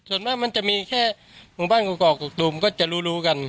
ส่วนมากมันจะมีแค่บ้านกลุ่มก็จะรู้กัน